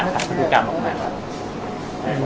สวัสดีครับ